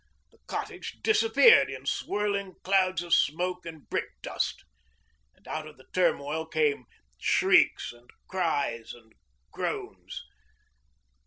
The cottage disappeared in swirling clouds of smoke and brick dust, and out of the turmoil came shrieks and cries and groans.